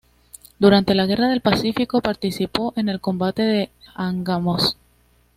Durante la guerra del Pacifico participó en el combate de Angamos.